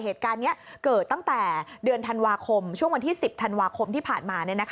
เหตุการณ์นี้เกิดตั้งแต่เดือนธันวาคมช่วงวันที่๑๐ธันวาคมที่ผ่านมา